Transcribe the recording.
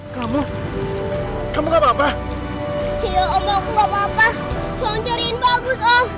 bagus kapten bagus kamu